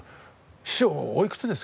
師匠おいくつですか？